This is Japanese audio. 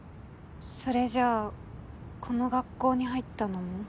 それじゃあこの学校に入ったのも？